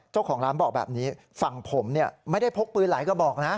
เจ้าของร้านบอกแบบนี้ฝั่งผมเนี่ยไม่ได้พกปืนหลายกระบอกนะ